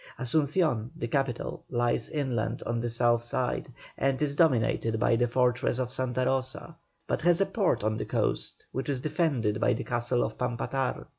Asuncion, the capital, lies inland on the south side, and is dominated by the fortress of Santa Rosa, but has a port on the coast, which is defended by the castle of Pampatar.